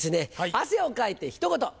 「汗をかいて一言」。